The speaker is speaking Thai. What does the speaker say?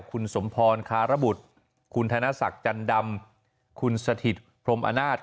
คุณสมพรคารบุตรคุณธนศักดิ์จันดำคุณสถิตพรมอำนาจ